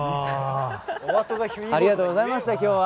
ありがとうございました今日は。